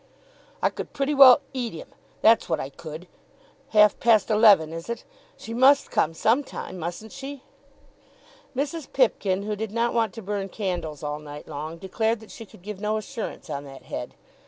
"I could pretty well eat him, that's what I could. Half past eleven; is it? She must come some time, mustn't she?" Mrs. Pipkin, who did not want to burn candles all night long, declared that she could give no assurance on that head.